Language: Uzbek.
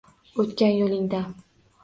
O’tgan yo’lingda.